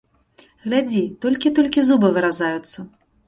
Глядзі, толькі, толькі зубы выразаюцца.